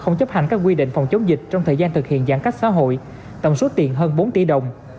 không chấp hành các quy định phòng chống dịch trong thời gian thực hiện giãn cách xã hội tổng số tiền hơn bốn tỷ đồng